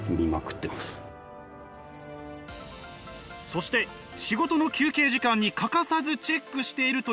そして仕事の休憩時間に欠かさずチェックしているというのが。